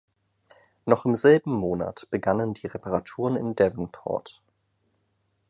Noch im selben Monat begannen die Reparaturen in Devonport.